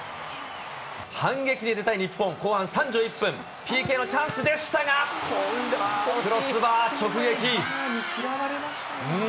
反撃に出たい日本、後半３１分、ＰＫのチャンスでしたが、クロスバーに嫌われましたね。